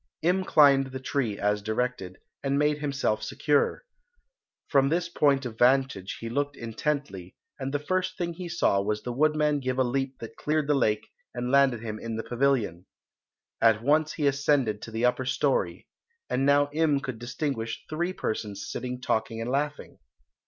Im climbed the tree as directed, and made himself secure. From this point of vantage he looked intently, and the first thing he saw was the woodman give a leap that cleared the lake and landed him in the pavilion. At once he ascended to the upper storey, and now Im could distinguish three persons sitting talking and laughing.